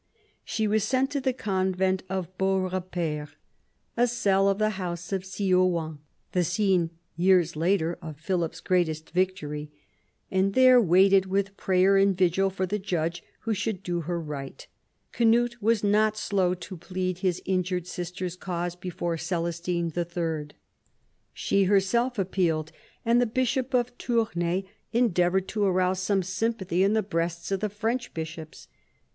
She was sent to the convent of Beaurepaire, a cell of the house of Cysoing (the scene, years later, of Philip's greatest victory), and there waited with prayer and vigil for the judge that should do her right. Cnut was not slow to plead his injured sister's cause before Oelestine III. She herself appealed, and the bishop of Tournai endeavoured to arouse some sym pathy in the breasts of the French bishops.